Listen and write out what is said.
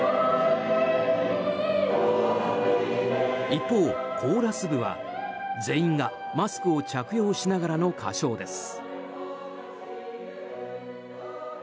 一方、コーラス部は全員がマスクを着用しながらの歌唱です。